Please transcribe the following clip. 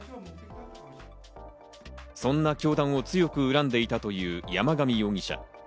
そんな教団を強く恨んでいたという山上容疑者。